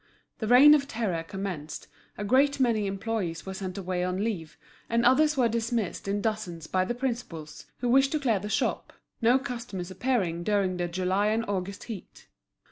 The reign of terror commenced, a great many employees were sent away on leave, and others were dismissed in dozens by the principals, who wished to clear the shop, no customers appearing during the July and August heat.